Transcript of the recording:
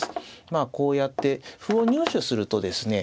まあこうやって歩を入手するとですね